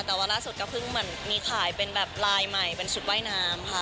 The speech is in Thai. แต่ว่าล่าสุดก็มันมีขายเป็นแบบรายใหม่เป็นชุดว่ายนามค่ะ